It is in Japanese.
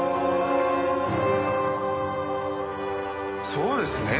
そうですね。